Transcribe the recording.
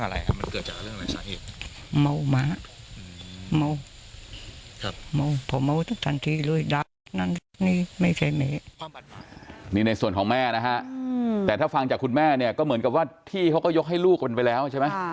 นี่ในส่วนของแม่นะฮะแต่ถ้าฟังจากคุณแม่เนี่ยก็เหมือนกับว่าที่เขาก็ยกให้ลูกกันไปแล้วใช่ไหม